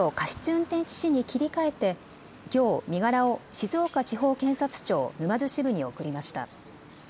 運転致死に切り替えてきょう身柄を静岡地方検察庁沼津支部に送りました。